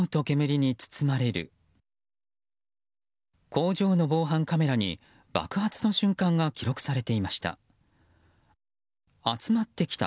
工場の防犯カメラに爆発の瞬間が記録されていました。